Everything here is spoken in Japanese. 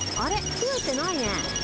ふえてないね。